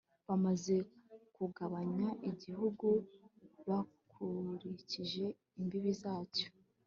bamaze kugabanya igihugu bakurikije imbibi zacyo